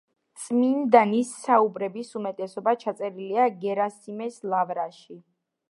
წმინდანის საუბრების უმეტესობა ჩაწერილია გერასიმეს ლავრაში.